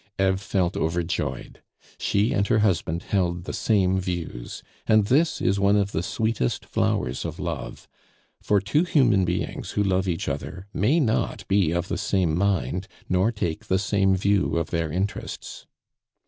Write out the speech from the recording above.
Eve felt overjoyed; she and her husband held the same views, and this is one of the sweetest flowers of love; for two human beings who love each other may not be of the same mind, nor take the same view of their interests.